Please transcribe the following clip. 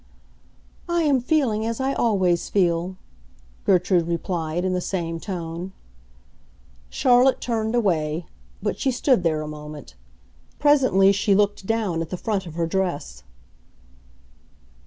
"I am feeling as I always feel," Gertrude replied, in the same tone. Charlotte turned away; but she stood there a moment. Presently she looked down at the front of her dress.